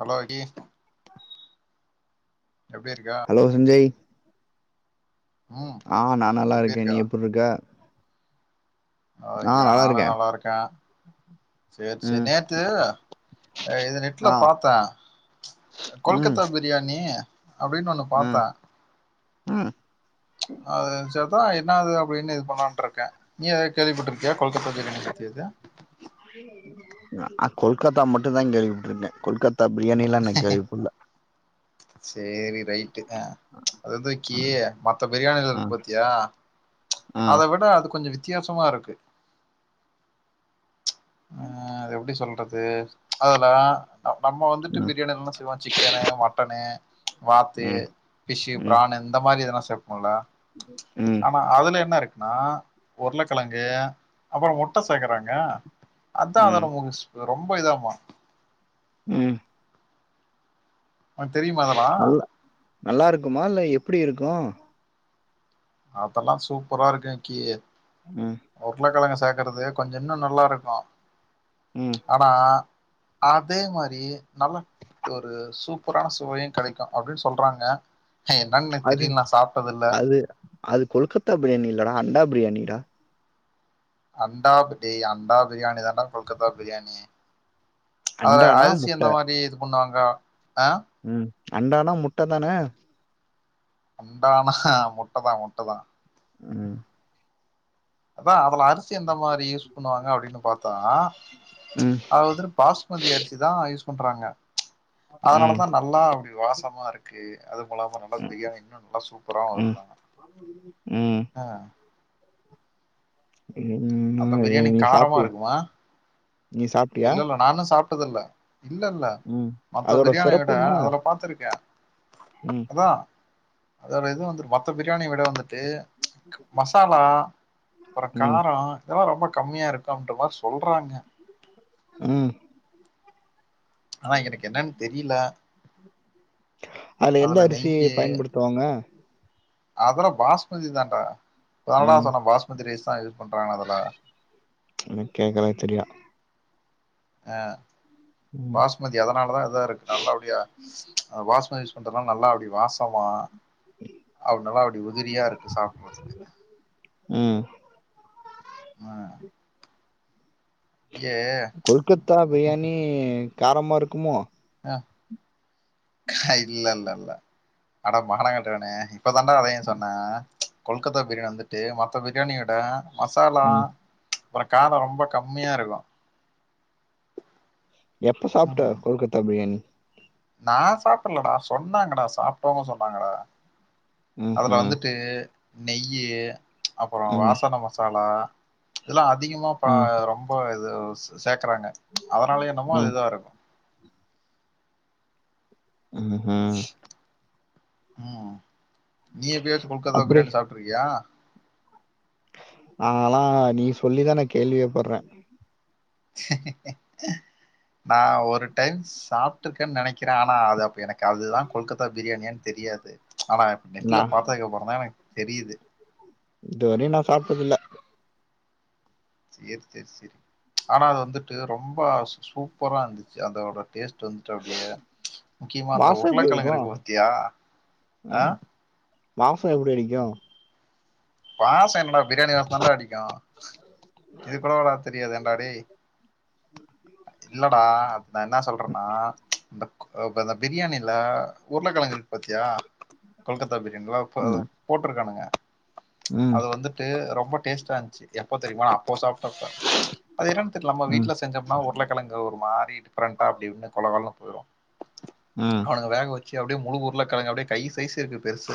Hello எடி எப்டி இருக்க ஹலோ சஞ்சய் ம் ஆ நா எப்டி நல்லாருக்கே இருக்க நீ எப்புருக்க ஓகே நானு நல்லாருக்கே சேர் செரி ம் நேத்து அ இது நெட்ல ஆ பாத்த ம் கொல்கத்தா பிரியாணி அப்டினு ஒன்னு ம் பாத்தே ம் அது நெனச்சாதா என்ன அது அப்டினு இது பண்ணலான்ட்டுருக்கே நீ எது கேள்விப்பட்டுருக்கியா கொல்கத்தா பிரியாணி பத்தியேது ஆ கொல்கத்தா மட்டுந்தா கேள்விபட்டுருக்கே கொல்கத்தா பிரியாணிலா நா கேள்விப்பல்ல சேரி ரைட்டு அ அது வந்து விக்கி மத்த பிரியாணில ஆ இருக்கு பாத்தியா ஆ அத விட அது கொஞ்சொ வித்தியாசமாருக் ம் அத எப்டி சொல்றது அதுலடா நம்மோ வந்துட்டு ம் பிரியாணி என்னமா செய்வோம் சிக்கனு மட்டனு வாத்து ம் ஃபிஷ் ம் ப்ரான் இந்த மாரி எதனா சேப்போல்ல ம் ஆனா அதுல என்ன இருக்குன்னா உருளக்கெழங்கு அப்பறோ முட்ட சேக்குறாங்க அதா ம் அதனு சு ரொம்ப இதாமா ம் ஒனக் தெரியுமா அத நல்ல நல்லாருக்குமா இல்ல எப்டி இருக்கு அதெல்லா சூப்பரா இருக்கு கி ம் உருளக்கெழங்க சேக்குறது கொஞ்சொ இன்னு நல்லாருக்கு ம் ஆனா அதே மாரி நல்ல ஒரு சூப்பரான சுவையு கெடைக்கு அப்டின் சொல்றாங்க அ என்னன்னே அது தெரில நா சாப்ட்டது இல்ல அது அது கொல்கத்தா பிரியாணி இல்லடா அண்டா பிரியாணிடா அண்டா பிரி அண்டா பிரியாணி தான்டா கொல்கத்தா பிரியாணி அதுல அண்டானா அரிசி முட்ட அந்த மாரி இது பண்ணுவாங்க ஆ ம் அண்டானா முட்ட தானே அண்டானா முட்டதா முட்டதா ம் அதா அதுல அரிசி அந்த மாரி யூஸ் பண்ணுவாங்க அப்டினு பாத்தா ம் அதுல வந்துட்டு பாஸ்மதி அரிசிதா யூஸ் பண்றாங்க ம் அதனாலதா ந ல்லா அப்டி வாசமா இருக்கு அதுவுமில்லாம நல்லா ம் பிரியாணி இன்னு நல்லா சூப்பராவு ம் வருதா ம் அ என்ன, அந்த ஏ, பிரியாணி நீ காரமா சாப்ட்டியா இருக்குமா நீ சாப்ட்டியா? இல்ல இல்ல நானு சாப்ட்டதுல்ல இல்லல்ல ம். மத்த அதோட பிரியாணி சிறப்பு விட என்ன? அதுல பாத்துருக்கே ம், அதா அதோட இது வந்து மத்த பிரியாணிய விட வந்துட்டு மசாலா அப்பறோ ம், காரோ இதெல்லா ரொம்ப கம்மியா இருக்குன்ற மார் சொல்றாங்க ம் ஆனா எனக்கு என்னன் தெரில அதுல எந்த அரிசி பயன்படுத்துவாங்க அதுலா பாஸ்மதி தான்டா இப்பதானடா ம். சொன்ன பாஸ்மதி ரைஸ்தா யூஸ் பண்றாங்க அதுல என்ன கேக்கனே தெரில அ ம், பாஸ் மதி அதனாலதா இதா இருக்கு நல்லா அப்டியா பாஸ்மதி யூஸ் பண்றதுனால நல்லா அப்டியே வாசமா அதனால அப்டி உதிரியா இருக்கு சாப்டறதுக்கு ம் ஆ கொல்கத்தா பிரியாணி காரமா இருக்குமோ அ இல்லல்ல அட மான கெட்டவனே இப்பதானண்டா வேணு சொன்ன கொல்கத்தா பிரியாணி வந்துட்டு மத்த பிரியாணி விட மசாலா ம். அப்பற கார ரொம்ப கம்மியா இருக்கு எப்ப சாப்ட்ட கொல்கத்தா பிரியாணி நான் சாப்டலடா சொன்னாங்கடா சாப்ட்டவங்க சொன்னாங்கடா அதுல ம்ஹ்ம். வந்துட்டு நெய்யி அப்பற ம், வாசன மசாலா இதெல்லா அதிகமா ம், ரொம்ப இது சேக்குறாங்க அதனால என்னமோ அது ம், இதா இருக்கு ம் ஹு ம் ம் நீ எப்பயாச்சு கொல்கத்தா அப்படி பிரியாணி சாப்ட்ருக்கியா நாலா நீ சொல்லிதா நா கேள்வியேப்படுற நா ஒரு டைம் சாப்ட்டு இருக்கன் நெனைக்கிற ஆனா அது அப்ப எனக் அதுதா கொல்கத்தா பிரியாணியானு தெரியாது ஆனா நெட்ல நான் பாத்ததுக்கு அப்பறோதா எனக்கு தெரியிது இதுவரையு நா சாப்டதில்ல சேர் சேர் செரி ஆனா அது வந்துட்டு ரொம்ப சூப்பரா இருந்துச்சு அதோட டேஸ்ட் இருந்திட்டு அப்டியே முக்கியமா அந்த வாசம் எப்படி உருளக்கெழங்கு இருக்கும்? இருக்கு பத்தியா அ வாசோ எப்டி அடிக்கு வாசோ என்னடா பிரியாணி வாசதாண்டா அடிக்கு இது கூடவாடா தெரியாது ஏன்டா டேய் ம் இல்லடா நா என்னா சொல்றனா அப்ப அந்த பிரியாணில உருளகிழங்கு இருக்கு பாத்தியா கொல்கத்தா பிரியாணில இப்ப அது ம், போட்ருக்கானுங்க ம், அது வந்து ட்டு ரொம்ப டேஸ்டா இருந்துச்சு எப்ப தெரியுமா அப்போ சாப்ட அப்ப அது என்னனு தெரியல நம்ம ம், வீட்ல செஞ்சோம்னா ஒ அங்க ஒரு மாரி டிஃப்ரெண்டா அப்டிருந்தா கொலகொலனு போயிரு ம் அவனுக வேக வச்சு அப்டியே முழு உருளக்கெழங்கு அப்டியே கை சைஸ்ஸு இருக்கு பெருசா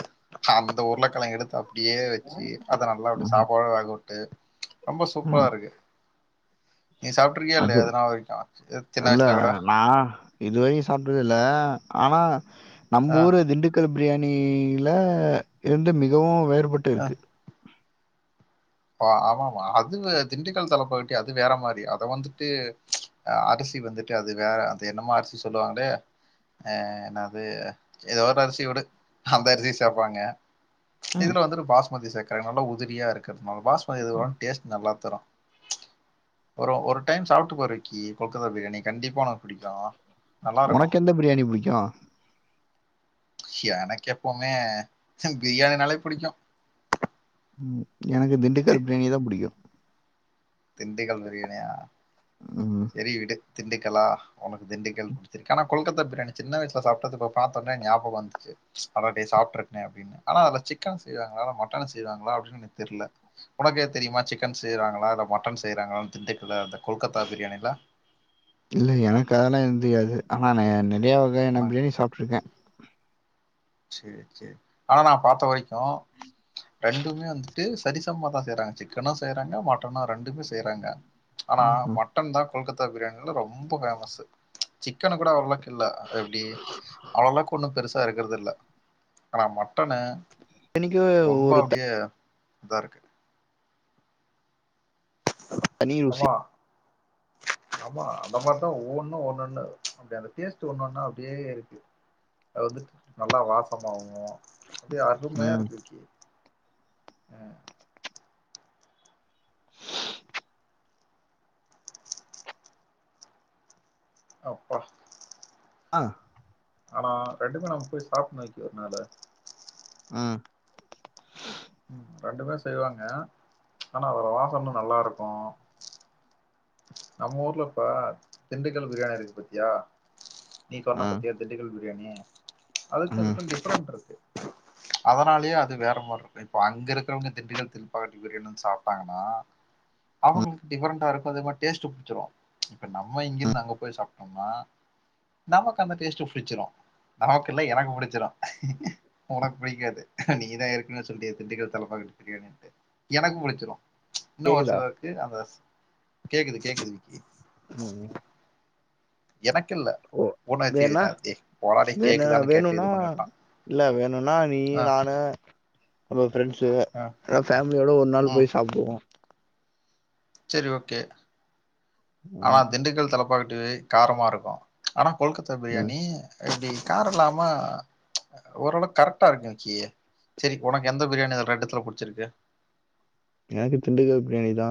அந்த உருளக்கெழங்கு எடுத்து அப்டியே வச்சு அத நல்லா அப்டி ம், சாப்பாடோட வேகவுட்டு ரொம்ப சூப்பரா ம். இருக்கு நீ சாப்பிட்ருக்கியா இல்லய அத நா விட்டா சின்ன வயசுல கூட நா இதுவரைக்கு சாப்ட்டது இல்ல ஆனா நம் ஆ ஊரு திண்டுக் க்கல் பிரியாணியில இருந்து மிகவு வேறுபட்டு இருக்கு ஆமா மா அது திண்டுக்கல் தலப்பாக்கட்டி அது வேற மாரி அது வந்துட்டு அ அரிசி வந்துட்டு அது வேற அந்த என்னமோ அரிசி சொல்லுவாங்களே அ என்னது ஏதோ ஒரு ஒரு அரிசி விடு அந்த அரிசி சேப்பாங்க ம், இதுல வந்துட்டு பாஸ்மதி சேக்குறாங்க நல்லா உதிரியா இருக்குது நம்ம பாஸ்மதிஇதுவா ம். டேஸ்ட் நல்லா தரு ஒரு ஒரு டைம் சாப்ட்டு பாரு விக்கி கொல்கத்தா பிரியாணி கண்டிப்பா உனக்கு பிடிக்கு உனக்கு எந்த பிரியாணி புடிக்கு எனக்கு எப்பவுமே பிரியாணினாலே புடிக்கு ம் எனக்கு திண்டுக்கல் பிரியாணி தா புடிக்கு திண்டுக்கல் பிரியாணியா ம் சேரி விடு திண்டுக்கல்லா உனக்கு திண்டுக்கல் புடுச்சுருக்கு ஆனா கொல்கத்த பிரயாணி சின்ன வயசல சாப்பிட்டது இப்போ பாத்தவுடனே ஞாபகோ வந்துச்சு அடாடே சாப்ட்டுருக்கேனே அப்டின்னு ஆனா அதுல சிக்கன் செய்றாங்களா இல்ல மட்டன்ல செய்றாங்களா அப்டின்னு எனக்கு தெர்ல உனக்கேது தெரியுமா சிக்கன் செய்றாங்களா இல்ல மட்டன் செய்றாங்களான்னு திண்டுக்கல அந்த கொல்கத்தா பிரியாணில இல்ல எனக்கு அதெல்லா எது தெரியாது ஆனா நா நெறையா வகையான உனக்கு பிரியாணி சாப்பிட்டுருக்கே சேர் சேர் ஆனா நா பாத்த வரைக்கு ரெண்டுமே வந்துட்டு செரிசமமா தா செய்றாங்க சிக்கனு செய்றாங்க மட்டனு ரெண்டுமே செய்றாங்க ஆனா ம்ஹ்ம். மட்டன் தா கொல்கத்தா பிரியாணியில ரொம்போ பேமஸ்ஸு சிக்கன கூட அவ்ளவுக்கு இல்ல எப்டி அவ்ளவுக்கு கொண்ணு பெருசா இருக்கிறது இல்ல ஆனா மட்டன்னு பிரியாணிக்கு ரொம்ப ஒரு அப்டியே இதா இருக்கு தனி ருசி. ஆமா ஆமா அந்த மாரிதா ஒவ்வொன்னு ஒண்ணொண்ணு அப்டி அந்த டேஸ்ட் ஒண்ணு ஒண்ணு அப்டியே இருக்கு அது வந்துட்டு நல்லா வாசமாவு அப்டியே அருமையா ம். இருக்கு விக்கி ம் அப்பா ஆ ஆனா ரெண்டுமே நம்ம போய் சாப்டன்னு விக்கி ஒருனாலு ம் ம் ரெண்டுமே செய்வாங்க ஆனா அதோட வசோ இன்னு நல்லாருக்கு நம்ம ஊர்ல இப்ப திண்டுக்கல் பிரியாணி இருக்கு பத்தியா நீ சொன்ன ம், பத்தியா திண்டுக்கல் பிரியாணி அதுக்கு ம், இதுக்கு டிஃபரண்ட் இருக்கு அதனாலேயே அது வேற மாரி இரு இப்போ அங்க இருக்குறவங்க திண்டுக்கல் திருப்பாக்கட்டு பிரியாணி வந்து சாப்பிட்டாங்கன்னா ம். அவங்களுக்கு டிஃபரண்டா இருப்பது மட் டேஸ்ட் புடிச்சிடு இப்ப நம்ம இங்கிருந்து அங்க போய் சாப்டோம்னா நமக்கு அந்த டேஸ்ட் புடிச்சிடு நமக்கு இல்ல எனக்கு பிடிச்சிடு உனக்கு பிடிக்காது நீதா ஏற்கனவே சொல்டியே திண்டுக்கல் தலப்பாக்கட்டு பிரியாணின்டு எனக்கு புடிச்சிரு இன்னு ஒரு கேக்குதா? சிலருக்கு அந்த கேக்குது கேக்குது விக்கி ம் ம் எனக்கு இல்ல ஓ! [unintelligible] வேணா போடா டேய் வேணு கேக்குதான்னு கேட்டு வேணும்னா இது பண்ணி விட்டா இல்ல வேணும்னா நீயி நானு நம்ம ஃப்ரெண்ட்ஸ்சு ஆ, எல்லா ஃபேமிலியோட ஒரு நாள் ம். போய் சாப்பிடுவோ சரி ஓகே ஆனா ம் திண்டுக்கல் தலப்பா கட்டி காரம இருக்கு ஆனா கொல்கத்தா ம் பிரியாணி எப்டி கார இல்லாம ஓர் அளவுக்கு கரெக்டா இருக்கு விக்கி சரி உனக்கு எந்த பிரியாணி இது ரெண்டுத்துல புடிச்சிருக்கு எனக்கு திண்டுக்கல் பிரியாணி தா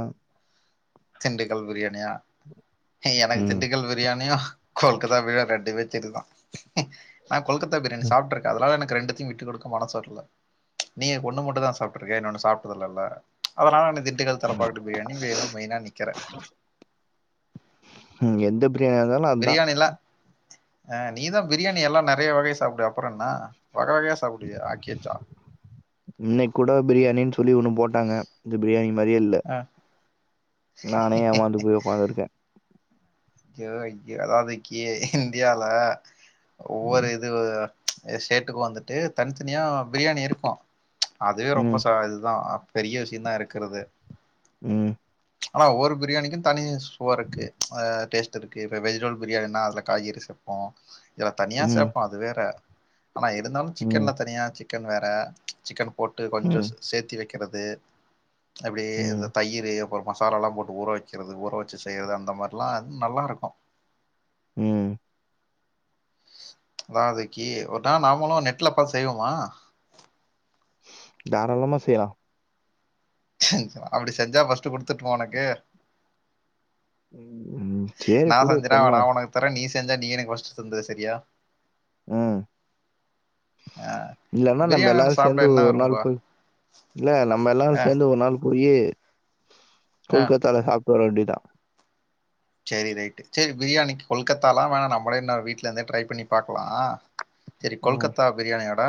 திண்டுக்கல் பிரியாணியா எனக்கு ம் திண்டுக்கல் பிரியாணியு கொல்கத்தா பிரியாணி ரெண்டுமே சேரிதா நா கொல்கத்தா பிரியாணி சாப்டுருக்கே அதனால எனக்கு ரெண்டுத்தையு விட்டு குடுக்க மனசு வரல நீ ஒண்ணு மட்டுதா சாப்டுருக்கே இன்னோன்னு சாப்ட்டதில்லல அதனால நீ திண்டுக்கல் தலப்பாகட்டு பிரியாணி வேணுன்னு மெயினா நிக்கற ம் எந்த பிரியாணியா இருந்தாலு அதா பிரியாணியில்ல ஆ நீதா பிரியாணி எல்லா நெறையா வகை சாப்டுவியே அப்புறோ என்ன வக வகயா சாப்புடிவியே ஆக்கிவெச்சா இன்னைக் கூட பிரியாணின் சொல்லி ஒன்னு போட்டாங்க இந்த பிரியாணி மாரியே இல்ல அ நானே ஏமாந்து போய் உக்கார்ந்துருக்கே ஐயோ ஐயோ அதாவது இக்கியே இந்தியால ஒவ்வொரு ம் இதுவு எ ஸ்டேட்டுக்கு வந்துட்டு தன்த்தனியா பிரியாணி இருக்கு அதுவே ரொம்ப ம் ச இதுதா பெரிய விஷியந்தா இருக்கிறது ம் ஆனா ஒவ்வொரு பிரியாணிக்கு தனி சுவருக்கு ஆ டேஸ்ட்டிருக்கு இப்ப வெஜிடபிள் பிரியாணின்னா அதுல காய்கறி சேப்போ இதுல தனியா ம் சேப்போ அது வேற ஆனா இருந்தாலு ம் சிக்கன்ல தனியா சிக்கன் வேற சிக்கனு போட்டு கொஞ்ச ம் ச சேத்தி வெக் கிறது அப்படியே இந்த ம் தயிறு ஒரு மசாலால்லா போட்டு ஊற வெக்கிறது ஊற வெச்சு செய்யற்து அந்த மாரிலா ம் நல்லாருக்கு ம் நாளைக்கி ஒரு நாள் நாமளு நெட்ல பாத் செய்வோமா தாராளமா செய்யலா அப்படி செஞ்சா ஃபஸ்ட்டு குடுத்துர்டுமா உனக்கு ம் ம் சேரி நா குடு இப்ப செஞ்சனா என்ன நா உனக்கு தரே நீ செஞ்சா நீ எனக்கு ஃபஸ்ட்டு தந்துர் செரியா ம் ஆ இல்லன்னா நம்ம எல்லாரு சேந்து ஒரு நாள் போய் இல்ல நம்ம எல்லாரு ஆ சேந்து ஒரு நாள் போயி ஆ கொல்கத்தால சாப்டு வர வேண்டித்தா செரி ரைட்டு செரி பிரியாணிக்கு கொல்கத்தாலா வேணா நம்பளேன வீட்ல இருந்தே ட்ரை பண்ணி பாக்கலா செரி ம் கொல்கத்தா பிரியாணியோட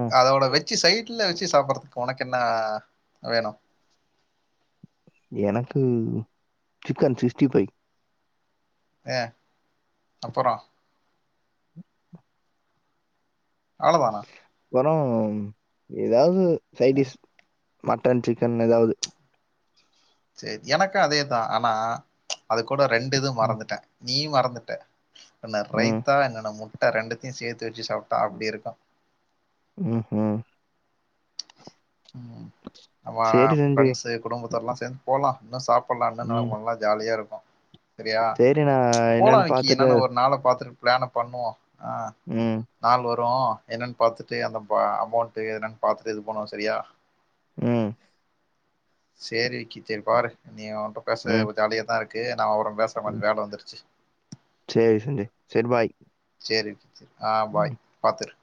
ம் அதோட வெச்சி சைட்ல வெச்சி சாப்பறதுக் உனக்கென்ன வேணு எனக்கு சிக்கன் சிக்ஸ்டி ஃபை அ அப்பறோ அவ்ளதானா அப்புறோ எதாவ்து சைடிஷ் மட்டன் சிக்கன் எதாவது செரி எனக்கு அதேதா ஆனா அது கூட ரெண்டு இது ம் மறந்துட்டே நீ மறந்துட்ட ஒன்னு ம் ரைத்தா இன்னொன்னு முட்ட ரெண்டுத்தியு சேத்து வெச்சு சாப்ட்டா அப்டி இருக்கு ம் ம் ம் அவ சரி சஞ்சய். ஃப்ரெண்ஸு குடும்பத்தோட்லா எல்லா சேந் போலா இன்னு சாப்பில்லா இன்னன்ன ம். பண்ல ஜாலியா இருக்கு செரியா சரி நான் போலா என்னன்னு விக்கி பார்த்துட்டு என்னனு ஒரு நாள பாத்துட்டு ப்ளான பண்ணுவோ ஆ ம் நாள் வரு என்னன் பாத்துட்டு அந்த பா அமௌண்டு என்னன் பாத்துட்டு இது பண்ணுவோ சரியா ம் சேரி விக்கி செரி பாரு நீ அவன்ட்ட பேசு ம் வி ஜாலியா தா இருக்கு நா அவர பேஸ்ற கொஞ்ச வேல வந்துருச்சு சேரி சஞ்சய் செரி பாய் சேரி விக்கி செரி ஆ ம். பாய் பாத்திரு